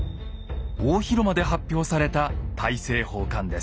大広間で発表された大政奉還です。